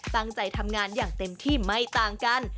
ตั้งใจทำงานอย่างเต็มที่ไม่ต่างกัน